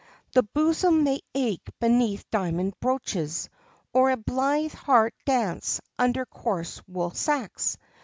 The bosom may ache beneath diamond broaches, or a blithe heart dance under coarse wool sacks.